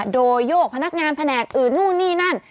โดยโยกพนักงานแผนกอื่นนู่นนี่นั่น